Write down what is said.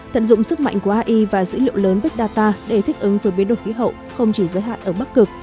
tận dụng sức mạnh của ai và dữ liệu lớn big data để thích ứng với biến đổi khí hậu không chỉ giới hạn ở bắc cực